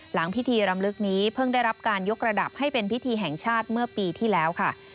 หลังพิธีรำลึกนี้เพิ่งได้รับการยกระดับให้เป็นพิธีแห่งชาติเมื่อปีที่แล้วค่ะ